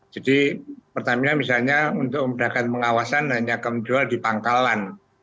jadi pertamina misalnya untuk memudahkan pengawasan hanya akan menjual di pangkalan